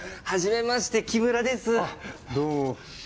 はじめまして木村です。